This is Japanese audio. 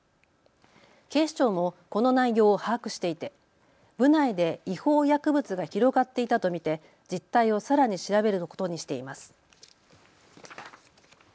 警視庁もこの内容を把握していて部内で違法薬物が広がっていたと見て実態をさらに調べることにしています。